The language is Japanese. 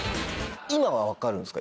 今は分かるんすか？